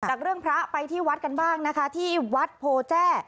จากเรื่องพระไปที่วัดกันบ้างนะคะที่วัดโพแจ้